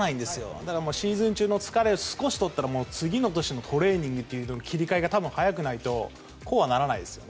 だから、シーズン中の疲れを少し取ったら次の年へのトレーニングという切り替えが多分早くないとこうはならないですね。